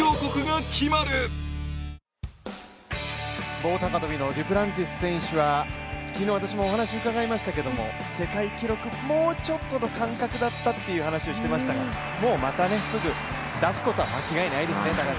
棒高跳のデュプランティス選手は、昨日私もお話伺いましたけど世界記録、もうちょっとの感覚だったってお話されてましたからもうまた、すぐ出すことは間違いないですね。